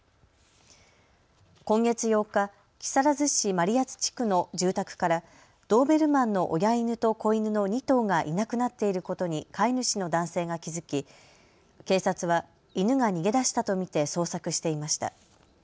今月８日、木更津市真里谷地区の住宅からドーベルマンの親犬と子犬の２頭がいなくなっていることに飼い主の男性が気付き、警察は犬が逃げ出したと見て捜索していました。